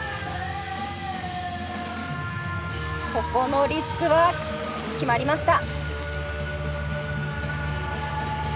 ここのリスクは決まりました。